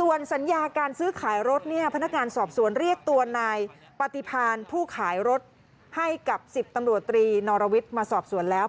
ส่วนสัญญาการซื้อขายรถเนี่ยพนักงานสอบสวนเรียกตัวนายปฏิพาณผู้ขายรถให้กับ๑๐ตำรวจตรีนอรวิทย์มาสอบสวนแล้ว